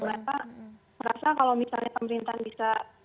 mereka merasa kalau misalnya pemerintahan bisa